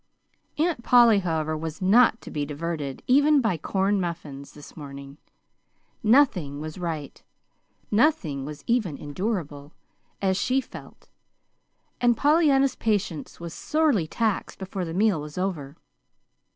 Aunt Polly, however, was not to be diverted, even by corn muffins, this morning. Nothing was right, nothing was even endurable, as she felt; and Pollyanna's patience was sorely taxed before the meal was over.